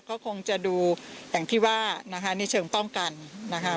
ก็คงจะดูอย่างที่ว่านะคะในเชิงป้องกันนะคะ